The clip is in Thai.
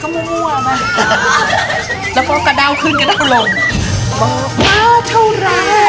ก็ลงมาเท่าไหร่